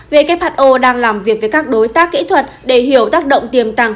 who đang làm việc với các đối tác kỹ thuật để hiểu tác động tiềm tàng